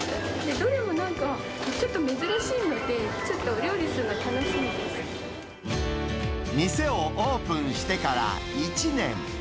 どれもなんかちょっと珍しいので、店をオープンしてから、１年。